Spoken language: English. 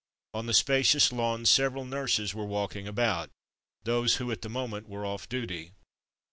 On the spacious lawn several nurses were walk ing about — those who at the moment were off duty.